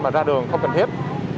mà ra đường không cần thiết